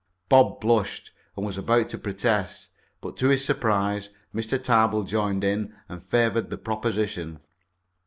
Bob blushed and was about to protest, but, to his surprise, Mr. Tarbill joined in and favored the proposition.